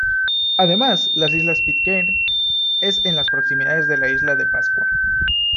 Además, las Islas Pitcairn es en las proximidades de la isla de Pascua.